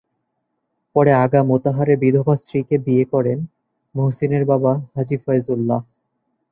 পরে আগা মোতাহারের বিধবা স্ত্রীকে বিয়ে করেন মুহসীনের বাবা হাজি ফয়জুল্লাহ।